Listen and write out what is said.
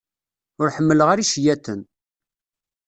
Ur ḥemmleɣ ara iceyyaten.